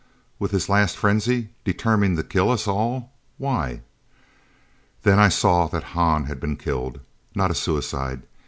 With his last frenzy, determined to kill us all? Why? Then I saw that Hahn had been killed! Not a suicide!